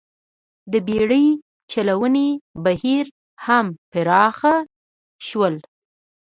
د بېړۍ چلونې بهیر هم پراخ شول